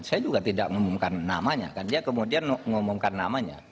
saya juga tidak mengumumkan namanya kan dia kemudian ngomongkan namanya